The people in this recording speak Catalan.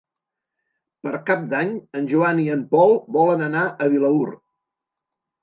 Per Cap d'Any en Joan i en Pol volen anar a Vilaür.